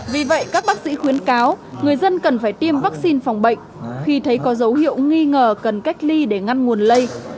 vì vậy các bác sĩ khuyến cáo người dân cần phải tiêm vaccine phòng bệnh khi thấy có dấu hiệu nghi ngờ cần cách ly để ngăn nguồn lây